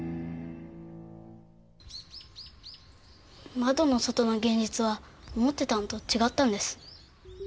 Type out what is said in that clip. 窓の外の現実は思ってたのと違ったんです。